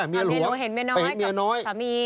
เมียหลวงเห็นเมียน้อยให้กับสามี